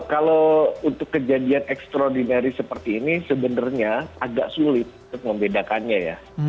kalau untuk kejadian extraordinary seperti ini sebenarnya agak sulit untuk membedakannya ya